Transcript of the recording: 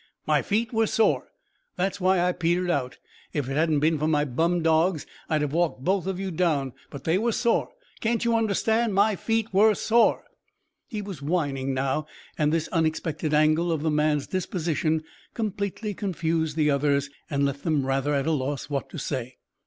My feet were sore; that's why I petered out. If it hadn't been for my bum 'dogs' I'd have walked both of you down; but they were sore. Can't you understand? My feet were sore." He was whining now, and this unexpected angle of the man's disposition completely confused the others and left them rather at a loss what to say.